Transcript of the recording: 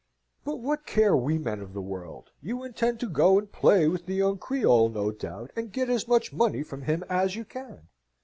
But what care we men of the world? You intend to go and play with the young Creole, no doubt, and get as much money from him as you can.